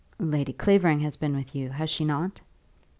"Lady Clavering has been with you; has she not?"